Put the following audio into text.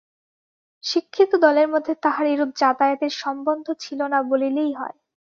শিক্ষিত দলের মধ্যে তাহার এরূপ যাতায়াতের সম্বন্ধ ছিল না বলিলেই হয়।